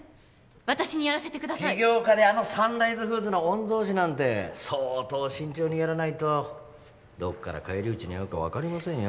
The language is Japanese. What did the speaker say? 私にやらせてください起業家であのサンライズフーズの御曹司なんて相当慎重にやらないとどっから返り討ちに遭うか分かりませんよ